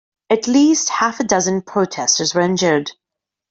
At least half a dozen protesters were injured.